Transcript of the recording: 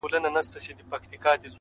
هغه ښايسته بنگړى په وينو ســـور دى;